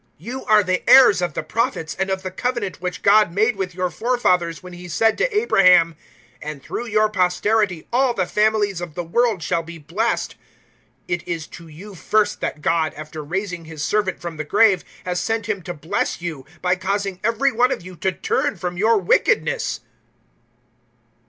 003:025 "You are the heirs of the Prophets, and of the Covenant which God made with your forefathers when He said to Abraham, `And through your posterity all the families of the world shall be blessed.' 003:026 It is to you first that God, after raising His Servant from the grave, has sent Him to bless you, by causing every one of you to turn from your wickedness."